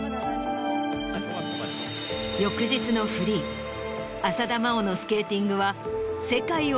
翌日のフリー浅田真央のスケーティングは。